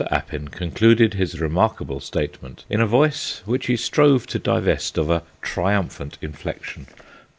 Appin concluded his remarkable statement in a voice which he strove to divest of a triumphant inflection.